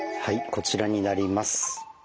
こちらになります。